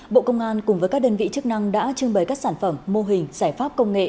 bộ công an cùng với các đơn vị chức năng đã trưng bày các sản phẩm mô hình giải pháp công nghệ